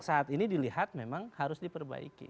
saat ini dilihat memang harus diperbaiki